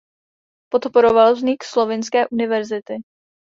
Podporoval vznik slovinské univerzity.